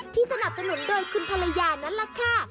ที่สนับจะหนุนด้วยคุณภรรยานั้นแหละค่ะ